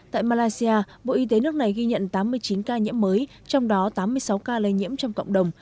tại malaysia bộ y tế nước này ghi nhận tám mươi chín ca nhiễm mới trong đó tám mươi sáu ca lây nhiễm trong cộng đồng